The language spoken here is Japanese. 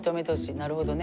なるほどね。